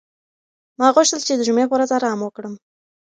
ما غوښتل چې د جمعې په ورځ ارام وکړم.